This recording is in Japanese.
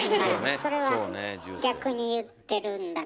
それは逆に言ってるんだけど。